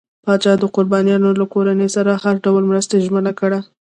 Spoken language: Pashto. پاچا د قربانيانو له کورنۍ سره د هر ډول مرستې ژمنه کړه.